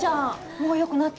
もうよくなった？